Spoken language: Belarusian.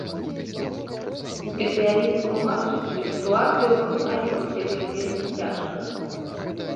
Спецыяліст тлумачыць, што сітуацыя ў камунальнікаў цяпер вельмі цяжкая.